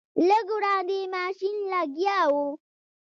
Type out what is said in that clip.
لږ وړاندې ماشین لګیا و.